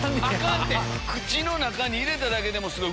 口の中に入れただけでもすごい。